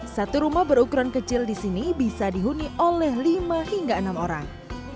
satu rumah berukuran kecil di sini bisa dihuni oleh lima hingga enam orang